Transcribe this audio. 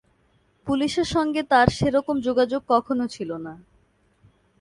পুলিশের সঙ্গে তাঁর সে-রকম যোগাযোগ কখনো ছিল না।